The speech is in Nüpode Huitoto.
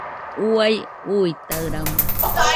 Uai uitaɨrama